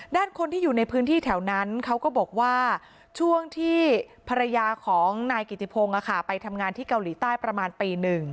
ด้านคนที่อยู่ในพื้นที่แถวนั้นเขาก็บอกว่าช่วงที่ภรรยาของนายกิติพงศ์ไปทำงานที่เกาหลีใต้ประมาณปี๑